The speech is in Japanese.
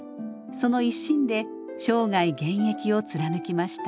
その一心で生涯現役を貫きました。